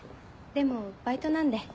でもバイトなんで。